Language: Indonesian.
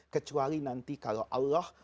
kecuali nanti kalau allah